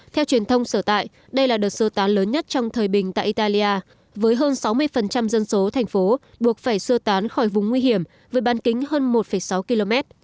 theo truyền thông sở tại đây là đợt sơ tán lớn nhất trong thời bình tại italia với hơn sáu mươi dân số thành phố buộc phải sơ tán khỏi vùng nguy hiểm với ban kính hơn một sáu km